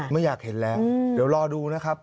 ไม่อยากเห็นแล้วเดี๋ยวรอดูนะครับ